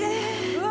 うわ！